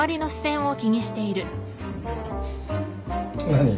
何？